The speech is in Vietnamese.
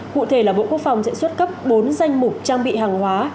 cụ thể là bộ quốc phòng sẽ xuất cấp bốn danh mục trang bị hàng hóa